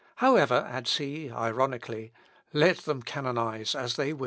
"However," adds he, ironically, "let them canonise as they will."